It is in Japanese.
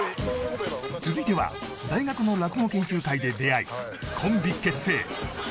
続いては大学の落語研究会で出会いコンビ結成